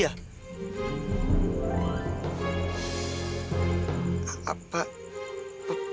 apa ini dapetnya dia